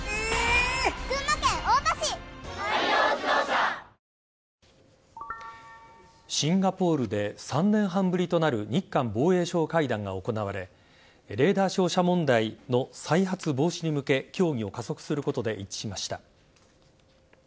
この後、ガーシー容疑者は捜査車両に乗り込みシンガポールで３年半ぶりとなる日韓防衛相会談が行われレーダー照射問題の再発防止に向け協議を加速することで一致しました。